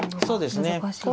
そうですね。